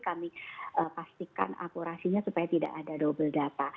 kami pastikan akurasinya supaya tidak ada double data